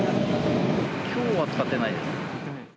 きょうは使ってないです。